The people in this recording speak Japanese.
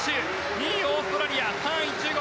２位、オーストラリア３位、中国